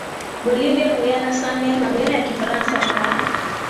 Bolivia Guyana Suriname na Guyana ya Kifaransa kwa